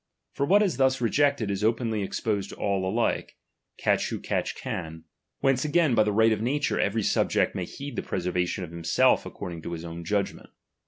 For what is thus re a«.i.je|:iisfreo,i jectedj is openly exposed to all alike, catch who mZ. "'"^*^ catch can ; whence again, by the right of nature, every subject may heed the preservation of himself ^H according to his own judgment.